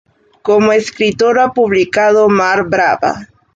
Como escritor ha publicado "Mar brava.